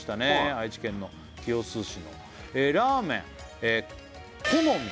愛知県の清須市のラーメン木の実